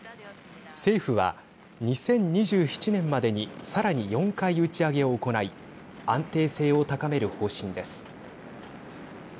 政府は２０２７年までにさらに４回打ち上げを行い安定性を高める方針です。